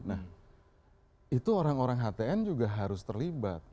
nah itu orang orang htn juga harus terlibat